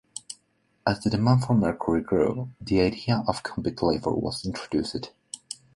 As the demand for mercury grew, the idea of convict labor was introduced.